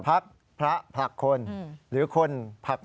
พักพระผลักคนหรือคนผลัก